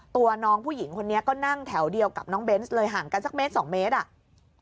ตัวน้องผู้หญิงคนนี้ก็นั่งแถวเดียวกับน้องเบนส์เลยห่างกันสักเมตรสองเมตรอ่ะ